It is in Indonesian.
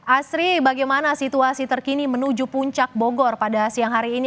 asri bagaimana situasi terkini menuju puncak bogor pada siang hari ini